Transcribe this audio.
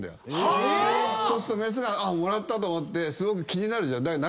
メスがもらったと思ってすごく気になるじゃん。